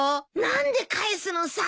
何で帰すのさ！